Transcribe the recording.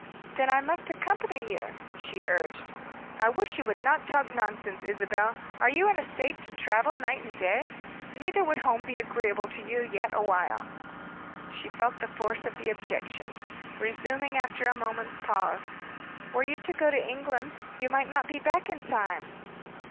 "Then I must accompany you," she urged. "I wish you would not talk nonsense, Isabel. Are you in a state to travel night and day? Neither would home be agreeable to you yet awhile." She felt the force of the objections. Resuming after a moment's pause "Were you to go to England, you might not be back in time."